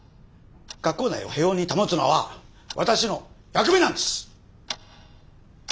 学校内を平穏に保つのは私の役目なんです！